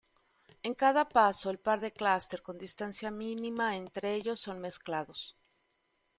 En cada paso el par de clúster con distancia mínima entre ellos son mezclados.